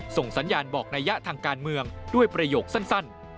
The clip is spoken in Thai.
ส่งสัญญาณบอกนัยยะทางการเมืองด้วยประโยคสั้น